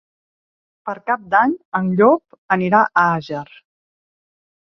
Per Cap d'Any en Llop anirà a Àger.